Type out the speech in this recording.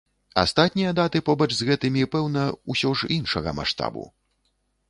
Астатнія даты побач з гэтымі, пэўна, усё ж іншага маштабу.